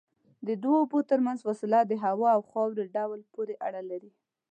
د دوو اوبو ترمنځ فاصله د هوا او خاورې ډول پورې اړه لري.